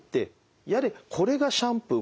やれこれがシャンプー